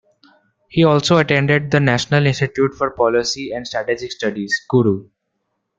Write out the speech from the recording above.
He also attended the National Institute for Policy and Strategic Studies, Kuru.